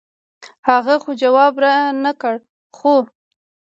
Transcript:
هغه خو جواب رانۀ کړۀ خو